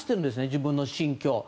自分の心境を。